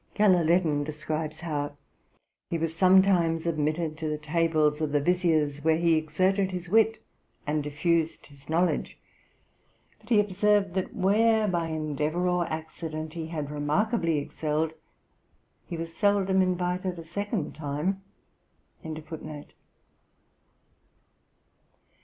Gelaleddin describes how 'he was sometimes admitted to the tables of the viziers, where he exerted his wit and diffused his knowledge; but he observed that where, by endeavour or accident he had remarkably excelled, he was seldom invited a second time.' See ante, p.